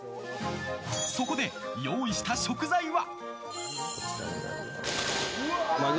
そこで用意した食材は。